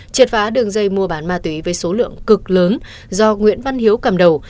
triệt phá đường dây mua bán ma túy với số lượng cực lớn do nguyễn văn hiếu cầm đầu